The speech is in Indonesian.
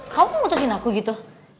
kamu ngutusin aku gitu